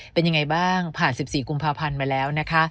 เป็นยังไงบ้างผ่าน๑๔กุมภาพันธ์มาแล้วนะคะ